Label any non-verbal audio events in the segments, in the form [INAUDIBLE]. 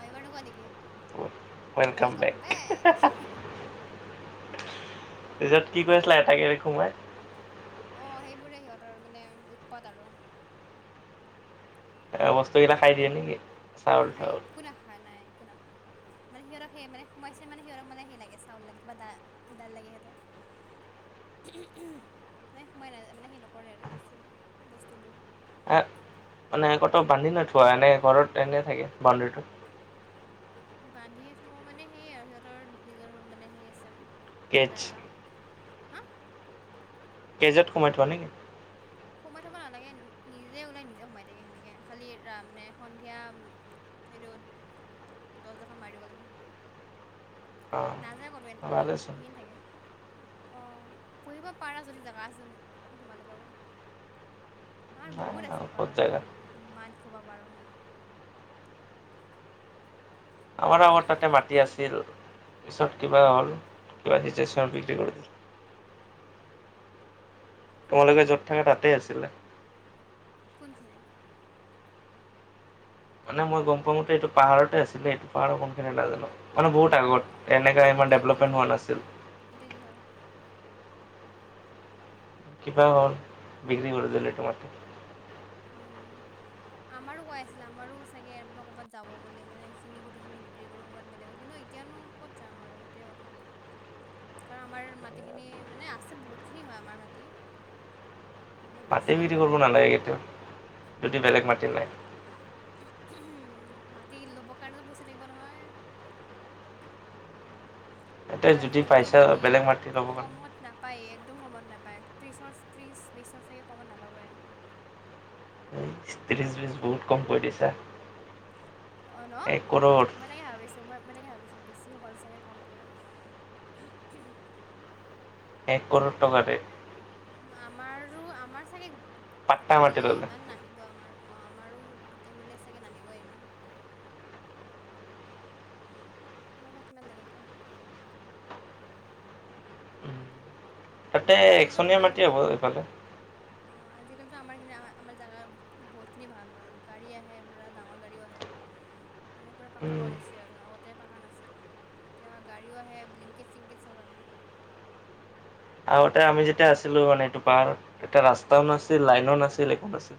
মাৰিব [UNINTELLIGIBLE] নেকি, welcome back. পিছত কি কৈ আছিলা এটাকে দে সোমাই? অ', সেইবোৰে সিহঁতৰ মানে উৎপাত আৰু। এ, বস্তুকেইটা খাই দিয়ে নেকি? চাউল নাখাই, চাউল একো নাখা, নাই একো নাখাই। মানে সিঁহতৰ সেই মানে সোমাইছে মানে সিহঁতক মানে হেই লাগে চাউল লাগে বা দা দাইাল লাগে সিহঁতক। মানে সোমাই নাযায় মানে সেৰি নকৰে আৰু বেছি বস্তুবোৰ। মানে ক'তো বান্ধি নথোৱা নে ঘৰত এনে থাকে বাউণ্ডৰীটো? বান্ধিয়ে থ'ব মানে সেই এ, আৰু সিহঁতৰ নিজৰ মানে সেই আছে কেজ এটা এটা। হা কেইজত সোমাই থোৱা নেকি? সোমাই থ'ব নালাগে, নিজে ওলাই নিজে সোমাই থাকে সেনেকে, খালি ৰা মানে সন্ধিয়া সেইটোত দৰ্জাখন মাৰি দিব লাগে। অঁ নাযায় ক'তো ভালেচোন এন [UNINTELLIGIBLE] থাকে। অ', পুহিব পাৰা যদি জেগা আছে তোমালোকৰো। আমাৰ নাই বহুত আৰু আছে ক'ত পাৰ, জেগা একদম ইমান সোপা পাৰ। আমাৰ আগত তাতে মাটি আছিল, পিছত কিবা হ'ল, কিবা [UNINTELLIGIBLE] তোমালোকে য'ত থাকা তাতেই আছিলে। কোনখিনিত? মানে মই গম পোৱা মতে এইটো পাহাৰতে আছিলে, এইটো পাহাৰৰ কোনখিনিত নাজানো। মানে বহুত অঁ আগত, অঁ এনেকা ইমান এতিয়া কি ডেভলপমেণ্ট হ'ল হোৱা নাছিল। এতিয়া কি হ'ল? কিবা হ'ল, বিগ্ৰী কৰি দিলে এইটো মাটি। উম, আমাৰো কৈ আছিলে, আমাৰো চাগে ইয়াৰ পৰা ক'ৰবাত যাব গ'লে মানে এইখিনি গোটেইখিনি বি বিক্ৰী কৰি ক'ৰবাত বেলেগত কিন্তু এতিয়ানো ক'ত যাম আৰু সেইটোৱে কথা। কাৰণ আমাৰ মাটিখিনি মানে আছে বহুতখিনি হয় আমাৰ মাটি। বহুত মাটি বেছিয়ে বিক্ৰী হয় কৰিব ক'ব গ'লে নালাগে কেতিয়াও যদি বেলেগ মাটি নাই। মাটি ল'বৰ কাৰণেতো পইচা থাকিব নহয়। এতিয়া আৰু যদি আজিকালিতো পাইছা মাটি বেলেগ মাটি ল'ব কাৰণে কমত না নাপায়ে একদম কমত নাপায়, ত্ৰিছৰ ত্ৰিছ বিছৰ চাগে কমত নাপাবয়ে। ত্ৰিছ বিছ বহুত কম কৈ দিছা। অ' ন' এক কৰোৰ মই তাকে ভাবিছোঁ, মই মই তাকে ভাবিছোঁ বেছি হ'ল চাগে কম অলপমান। [INAUDIBLE] এক ক'ৰৰ টকা‌ দে। আমাৰো আমাৰ চাগে পাট্টা গোটেই মাটি মিলাই ল'লে ইমান নাহে ব আমাৰ, অ' আমাৰো গোটেই মিলাই চাগে নাহিব ইমান। আমাৰ বা কিমান লাগে এতিয়া। তাতে আজিকালিতো একচনীয়া ভাল মাটি হ'ব হ'ল আমাৰ। এইফালে অ', আজিকালিতো আমাৰখিনি আমাৰ জাগা বহুতখিনি ভাল হ'ল গাড়ী আহে পূৰা ডাঙৰ গাড়ীও আহে। মানে পূৰা পাকা কৰিছে আৰু আগতে পাকা নাছিল। এতিয়া গাড়ীও আহে, ব্লিংকিট চ্লিংকিট চব আহে। আগতে আমি যেতিয়া আছিলো মানে এইটো পাহাৰ তেতিয়া ৰাস্তাও নাছিল লাইনো নাছিল একো নাছিল।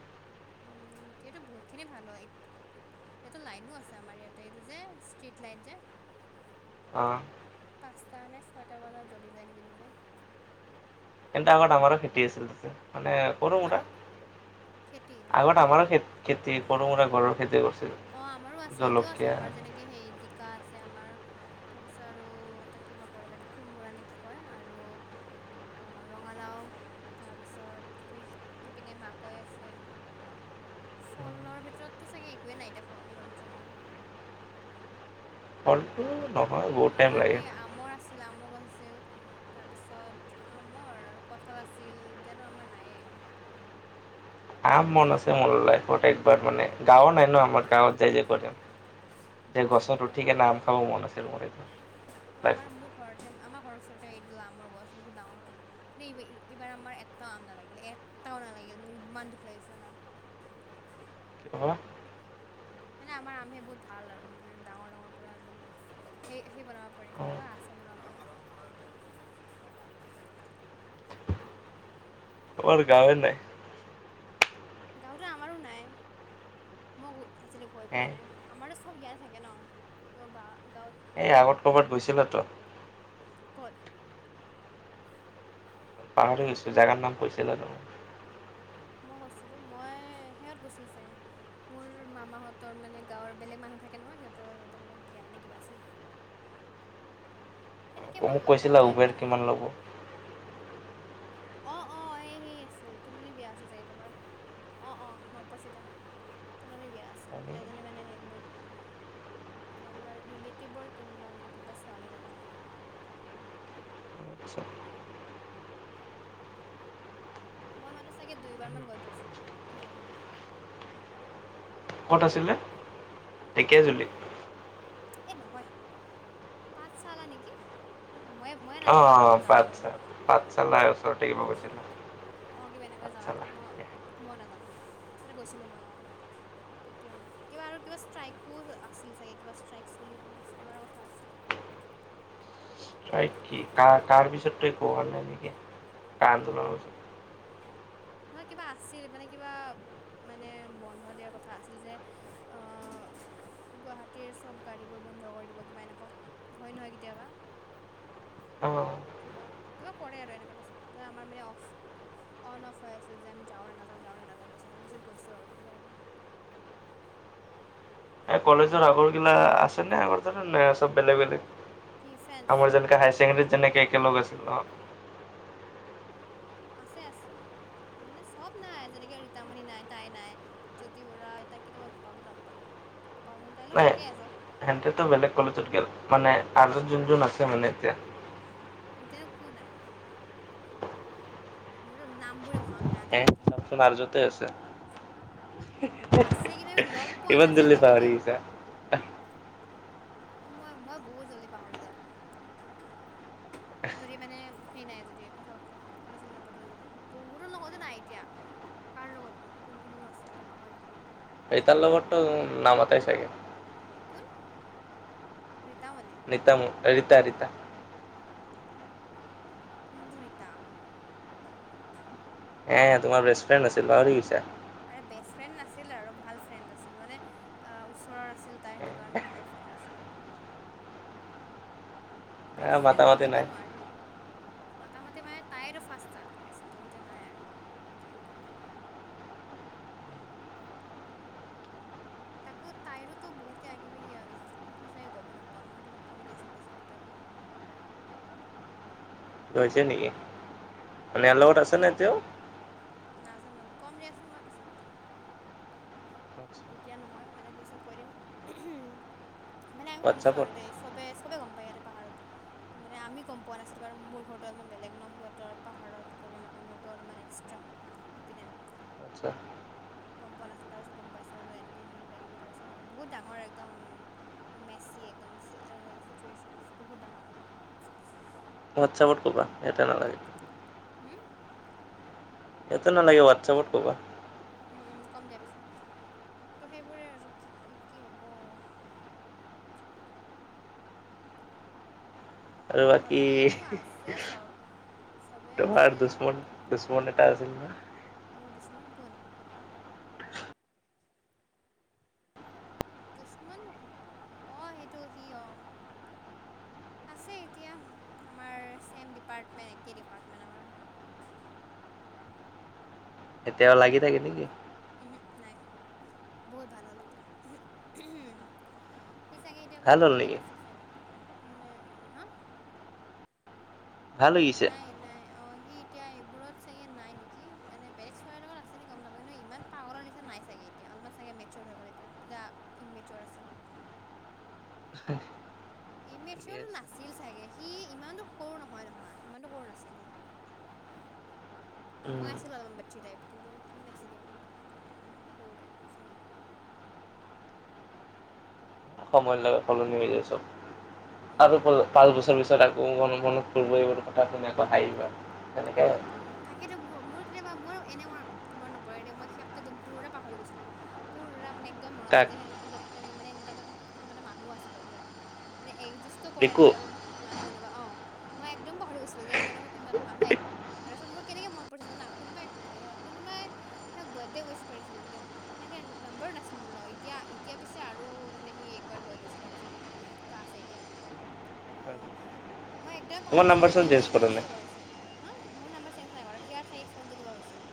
উম, এতিয়াতো বহুত খিনি ভাল হয়। [UNINTELLIGIBLE] লাইনো আছে আমাৰ ইয়াতে এইটো যে ষ্ট্ৰিট লাইত যে। [INAUDIBLE] অ'। পাঁচটা নে ছয়টা বজাত জ্বলি যায় নিজে নিজে। কিন্তু আগত আমাৰো খেতি আছিল তাতে মানে সৰু হা সুৰা, খেতি অঁ আগত আমাৰো খে খেতি সৰু মোৰা ঘৰৰ খেতি কৰিছিল। অ', আমাৰো আছে এতিয়াও আছে জলকীয়া আমাৰ যেনেকে সেই জিকা আছে আমাৰ তাৰপিছত আৰু এটা কিবা কয় ৰবা এইটো কোমোৰা নে কি কয় আৰু আ ৰঙালাও তাৰপিছত এই এইপিনে মাকৈ আছে। [INAUDIBLE] ফলৰ ভিতৰততো চাগে একোৱেই নাই এতিয়া ফলৰ ভিতৰত আমাৰ। ফলটো নহয় বহুত টাইম আমাৰ লাগে। সেই আমৰ আছে। আছিল আমৰ গছ আছিল। তাৰপিছত আমৰ আৰু কঁঠাল আছিল এতিয়ানো আমাৰ নায়েই। আম মন আছে মোৰ লাইফত একবাৰ মানে গাঁৱও নাই ন আমাৰ গাঁৱত যায় যে কৰিম। যে গছত‌ উঠি অঁ কেনে আম খাব মন আছিল মোৰ একবাৰ আমাৰ লাইফত। মোৰ ঘৰতে, আমাৰ ঘৰৰ ওচৰতে এইদাল আমৰ গছ বহুত ডাঙৰ। [UNINTELLIGIBLE] এই-এইবাৰ আমাৰ এটাও আম নালাগিল, এটাও নালাগিল মোৰ ইমান দুখ লাগিছিলে জানা। অ'। মানে আমাৰ আমখিনি বহুত ভাল আৰু মানে ডাঙৰ ডাঙৰ পোৰা একদম। সেই সেই বনাব পাৰি কি কয় আচাৰ বনাব পাৰি। আমাৰ গাঁৱে নাই। গাঁওতো আমাৰো নাই। মইও আছিলে গৈ হে পোৱা নাই আমাৰটো চব ইয়াৰ চাগে ন। ত গা-গাঁৱত এই নাই আগত কোনো, ক'ৰবাত গৈছিলাতো ক'ত? পাহাৰি গৈছো জাগাৰ নাম কৈছিলা তুমি। মই কৈছিলোঁ, মই সেহত গৈছিলোঁ চাগে। মোৰ মামাহঁতৰ মানে গাঁৱৰ বেলেগ মানুহ থাকে নহয়, সিহঁতৰ তাতে ক'বাত বিয়া নে কিবা আছিল নেকি। সেনেকৈ অ', মই মোক গাঁৱত কৈছিলা, যাই পোৱা উবেৰ নাই কিমান ল'ব। অঁ, অঁ এই সেই আছিল তোলনি বিয়া আছিল চাগে ক'ৰবাৰ, অ', অ', মনত পৰচি এতিয়া। তুলনি বিয়া আছিল, এজনী মানে সেই মোৰ মানে, কিবা ৰিলেটিভৰ কোনোবা মানে কোনোবা ছোৱালীৰ আৰু মই মাত্ৰ চাগে দুইবাৰমান গৈ পাইছোঁ কিবা কৰি। ক'ত আছিলে? ঢেকীয়াজুলি? এই নহয়। পাত চালা নেকি, মই অ', অ', পাতশাল, পাত ছালৰ ওচৰতে থাকিব গৈছিল না। অ', কিবা এনেকৈ যাৱাতো, মই মই নাজানো, [UNINTELLIGIBLE] গৈছিলোঁ মই অ'। তেতিয়া, কিবা আৰু কিবা ষ্ট্ৰাইকো আছিল চাগে, কিবা ষ্ট্ৰাইক চলিব, চলাৰ কথা আছে। চাই, কি কাৰ কাৰ পিছত ত কো নাই নেকি, কাৰ আন্দোলনৰত? নহয়, কিবা আছিল, মানে কিবা মানে বন্ধ দিয়াৰ কথা আছিল, যে গুৱাহাটীৰ চব গাড়ী বোৰ বন্ধ কৰি দিব, কিবা এনেকুৱা, হয় নহয় কেতিয়াবা। অ'। কিবা, কিবা কৰে আৰু এনেকুৱা এটা আছিল ত' আমাৰ মানে অফ। অন অফ হৈ আছিল, যে আমি যাওঁ নে নাযাওঁ, যাওঁ নে নাজাওঁ, আহ তাৰপিছত, আমি গৈছোঁ আৰু কিবা কৰি। এ, কলেজৰ আগৰগিলা আছে নে, আগৰ ত ন চব বেলেগ বেলেগ? কি ফ্ৰেন্স আমাৰ যেনেকা হায়াৰ ছেকেণ্ডৰীত যেনেকে একেলগ আছিল, অ'। আছে, আছে, মানে চব নাই, যেনেকে ৰীতামণি নাই তাই নাই জ্যোতি বুৰাই, তাই কেতিয়াবা [UNINTELLIGIBLE] কলেই লগ পাওঁ, নাপাওঁ তাইৰ লগত ঠিকেই আছে সেহতেঁতো, বেলেগ কলেজত গেল, মানে আৰু যোন, যোন আছে মানে এতিয়া। [UNINTELLIGIBLE] কোন আৰু? মোৰ নাম বোৰে মনত নাই আধা এ, আধি [UNINTELLIGIBLE] আছে। আছে কিন্তু আমি লগ [UNINTELLIGIBLE] পোৱা ইমান নাযায় জল্দি নহয় পাহৰি কেতিয়াও গৈছা। অ', মই, মই বহুত জলদি পাহৰি যাওঁ। যদি, মানে হেই নাই যদি কথা পা কথা চথা নাপাতো যদি, বহুতৰ লগত এ নাই এতিয়া। কাৰ লগতনো, কোন কোননো আছে, মই পাহৰি থাকিলোঁ। এই তাৰ লগত টো নামতেই চাগে। কোন, ৰিতামণি? ৰিতামনি, ৰিতা ৰিতা। কোনতো ৰিতা? এ তোমাৰ বেট ফ্ৰেন্ড আছিল, পাহৰি গৈছা? আৰে, বেষ্ট ফ্ৰেণ্ড নাছিল আৰু ভাল ফ্ৰেণ্ড আছিল, মানে আহ, ওচৰৰ আছিল তাই, সেইটো কাৰণে ভাল ফ্ৰেণ্ড আছিল আৰু। বেষ্ট এ মাতা ফ্ৰেণ্ড বুলি মাতি ক'ব নাই নোৱাৰি। মাতামাতি মায়ে, তাইৰো ফাৰ্ষ্ট ষ্টাৰ্ট কৰিছিল ত' এতিয়া নাই আৰু তাইৰ লগত ইমান। তাকো তাইৰোতো বহুতে কিবা কিবি সে হৈ গৈছিল, চাগে গমেই নোপোৱা, মই তোমাক কম দিয়াচোন পিছত কেতিয়াবা। গৈ নেকি, মানে ইয়াৰ লগত আছে কম নে এতিয়াওঁ? নাজানো, কম দিয়াচোন মই পিছত। এতিয়া নহয়, মানে পিছত কয় দিম, মানে আমি শুনিছো হোৱাটছআপত আৰু দে। চবেই, চবে গম পায় ইয়াতে পাহাৰত। ত মানে আমি গম পোৱা নাছিলোঁ, কাৰণ মোৰ ঘৰটো অলপমান বেলেগ ন, সিহঁতৰ পাহাৰত ঘৰ মানে মোৰটো অলপমান এক্সট্ৰা। শিপিনে। আচ্ছা। গম পোৱা নাছিলো, তাৰপিছত গম পাইছো আৰু এনেকে এনে কিবা, কিবা তাৰপিছত বহুত ডাঙৰ একদম মেচি একদম, হ চিটুৱেশ্যন বহুত ডাঙৰ হেই হোৱাটছআপত ক'বা, ইয়াতে নালাগে। হম? ইয়াতে নালাগে হোৱাটছাপত' কবা। উম উম, কম দিয় পিছত, ত' সেইবোৰে আৰু কি কি, কি হ'ব আৰু বাকী বাকীতো আছে চব। চবে তোমাৰ আছে দুশ্মন ঠিক ঠাক দুশ্মন এটা আছিল নহয় মোৰ দুশ্মন কোন? দুশ্মন নকোন অ সেইটো কি সি অ আছে এতিয়া আমাৰ ছেম ডিপাৰ্টমেণ্ট একেই ডিপাৰ্টমেণ্টৰ হয়। এতিয়াও লাগি থাকে নেকি? উম হো নাই বহুত ভাল হ'ল এতিয়া সেই চাগে এতিয়া ভাল কোনোবা হ'ল বেলেগ নেকি আছিল চাগে তাৰ, মানে হা ভাল হৈ গৈছে নাই নাই অঁ সি এতিয়া এইবোৰত চাগে নাই নেকি মানে বেলেগ চোৱাৰ লগত আছে নেকি গম নাপায় কিন্ত ইমান পাগলৰ নিচনা নাই চাগে এতিয়া অলপমান চাগে মেৰছৰ হৈ গ'ল এতিয়া তেতিয়া ইনমেচ'ৰ আছিল্ [INAUDIBLE] ইমেজৰ চৰটো আছে নাছিল চাগে সি ইমানটো সৰু নহয় নহয় ইমানটো সৰু নাছিল সি [INAUDIBLE] মই আছিলোঁ অলপমান মেতি টাইপ কিন্তু সি নাছিলে ইমানটো মানে আৰু সৰু টাইপ চাগে সময় লগত সলনি হৈ যায় চব আৰু চাগে ক পাঁচ বছৰ পিছত আকৌ মনত মনত পৰিব কথা শুনি আকৌ হাঁহিবা সেনেকে উম তাকেতো মোৰ মোৰ তেতিয়া পৰা মোৰ এনেই মো মন নপৰে দেই মই সিয়াক টো একদম পোৰা পাহৰি গৈছিলোঁ। পুৰা মানে একদম মন কাক নেযাই যে এনে মানে এনেকুৱা এটা মানে মানুহ আছিল ত আৰু এ একজিষ্টো কৰে ৰিকু এনেকুৱা এটা মানুহ কোনোব অ মই একদম পাহৰি গৈছিলো যে এনেকুৱা এটা কোনোবা এটা মানুহ এক তাৰপছত মোৰ কেনেকৈ মন পৰিছে জানা কোনোবাই কোনোবাই সিয়াক বাৰ্থডে উইচ কৰিছিল একদিন সিয়াৰ নম্বাৰো নাছিলো মোৰ লগত এতিয়া এতিয়া পিছে আৰু মানে সি একবাৰ লৈ লৈছে তাৰপিছত মোৰ এ তাৰ আছে এতিয়া অ মই এইটো পাহৰি তোমাৰ গৈছো নাম্বাৰ যে সি চোন চেঞ্জ কৰা একজিষ্ট নাই কৰিছিল। হা মোৰ নাম্বাৰ চেঞ্জ নাই কৰা সেয়াৰ চাগে ফোনটো কিবা হৈছিল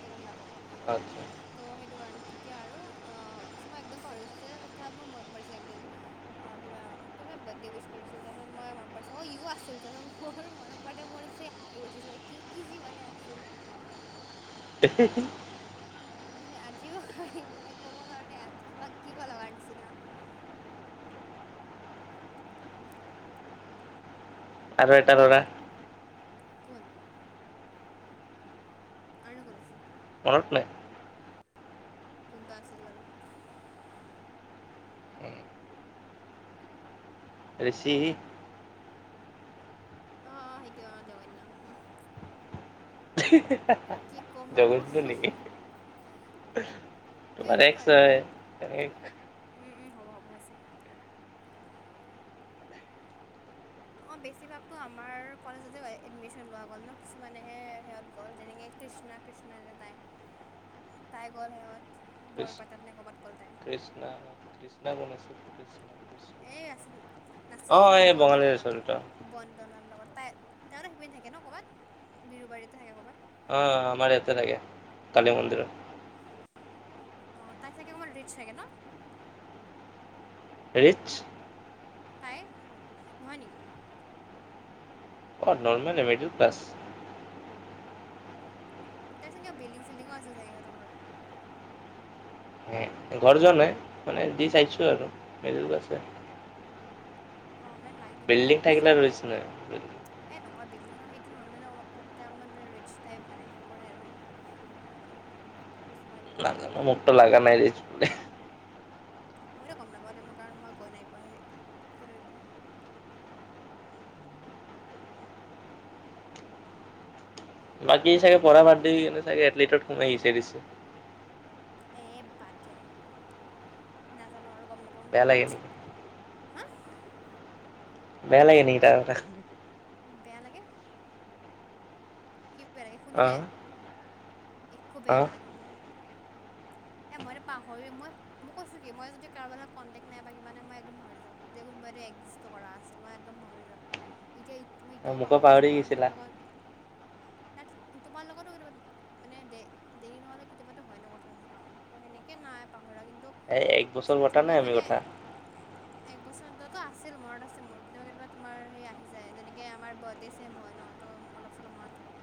তই গম নাপাওঁ। [INAUDIBLE] ত' সেইটো কাৰণে তেতিয়া আৰু অ তাৰপিছত মই একদম পাহৰি গৈছোছে তথা মোৰ মনত বা়ছে একদিন অঁ কিবা কোনোবাই বাৰ্থডে উইচ কৰিছিল তাৰাছত মই মন পৰিছিল অঁ ইও আছিল তাৰপাছত মোৰ মনত মানে মোৰ যে হাঁহি উঠিছে কি কি যি মানে আছিল? [INAUDIBLE] মানে আজিও হাঁহি মানে ক'ব কাৰণে কিমান কিব লগাৰ নিচিনা আৰু এটা ল'ৰা কোন? আৰুনো কোন? মনত পেলাই কোনোবা আছিল আৰু ৰিচি অ অ সেইটো অ জঘন্য উম [UNINTELLIGIBLE] কি ক'ম আৰু জগন্নাথ উম নেকি উম তোমাৰ এক্স হয়। উ উ হ'ব হ'ব হৈছে অঁ বেছিভাগতো আমাৰ কলেজতে এডমিশ্যন লোৱা গ'ল ন কিছুমানেহে সেহত গ'ল যেনেকৈ কৃষ্ণ কৃষ্ণ যে তাই [INAUDIBLE] তাই গ'ল সিহঁত বৰপেটাত নে কৰ'ৰবাত গ'ল তাই। কৃষ্ণ [INAUDIBLE] [UNINTELLIGIBLE] এই আছিলো নাছিল অ নেকি এই বঙালী বন্দনাৰ লগত? ৰেষ্টুৰেণ্ট বন্দনাৰ লগত তাই তাইতো সিপিনে থাকে ন' ক'ৰবাত বিৰুবাৰীতে থাকে ক'ৰবাত। অ' আমাৰ ইয়াতে থাকে কালি মন্দিৰত। অ' তাই চাগে অকমান ৰিচ চাগে ন' ৰিটচ। তাই নহয় নেকি? অ' নৰ্মেল মিডল ক্লাছ। তাৰ চাগে বিল্ডং চিল্ডিঙো আছে চাগে সিহতৰ ঘৰত। ঘৰ যোৱা নাই মানে দি চাইছো আৰু ফেচবুক আছে। অ' মেন লাইট বিল্ডিং থাকিলে ৰিক্স নাই। এ নহয় বিল্ডিং নহয়, সেইটো নহয় মানে অকমান মানে ৰিচ টাইপ মানে হেৰী কৰে আৰু। মই চাগে ভাবিছো মই নি নাজানো মোক টো লাগানাই ৰিটচ বুলি। মইতো গম নাপাওঁ দে মই কাৰণ মই গৈ নাই পোৱা সিহতৰ সেই পিনে। বাকী চাগে পঢ়া বাদ দি কিনে চাগে এটলিটত সোমাই দিছে ৰিজেণ্ট। এ বাট দিয়া হে, নাজানো আৰু গম নাপাও। বেয়া লাগে নেকি? বেয়া লাগে নেকি তাৰ কথা। বেয়া লাগে। কি বেয়া লাগে শুনিলে, অ', একো বেয়া অ', নালাগে মোৰ। এ মইটো পাহৰি মই। মই কৈছো কি মই যদি কাৰোবাৰ লগ কণ্টেক নাই বা কিবা নাই একদম পাহৰি যাওঁ যে কোনোবাই এইটো [INAUDIBLE] কৰা আছিল মই একদম পাহৰি যাওঁ। এতিয়া, মই এতিয়াও মোকো পাহৰি গৈছিলোঁ কাৰণ মোৰ গৈছিলা লগত। নাই তোমাৰ লগতো কেতিয়াবা মানে দে দেৰি নহ'লে কেতিয়াবাতো হয় ন কথা ন আৰু। ত' সেনেকৈ নাই পাহৰা কিন্তু যোনে মানে। উ [INAUDIBLE] এক বছৰোটো আছিল মনত আছে মোৰ কেতিাবা কেতিাবা তোমাৰ সেই আহি যায় যেনেকে আমাৰ বাৰ্থডে চেম হয় ন' তো অলপ চলপ মনত থাকে।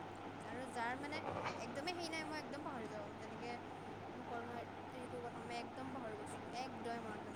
আৰু যাৰ মানে একদমেই হেই নাই মই একদম পাহৰি যাওঁ যেনেকে। মই কম এৰি কথা মই একদম পাহৰি গৈছিলো একদম মনত নাছিল।